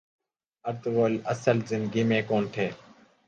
Ertugrul اصل زندگی میں کون تھے